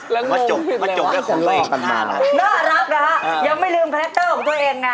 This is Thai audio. แล้วโง่ผิดเลยวะคุณเลยน่ารักนะครับยังไม่ลืมคาแร็กเตอร์ของตัวเองนะ